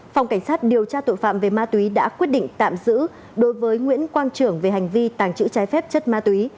phòng cảnh sát điều tra tội phạm về ma túy đã quyết định tạm giữ đối với nguyễn quang trưởng về hành vi tàng trữ trái phép chất ma túy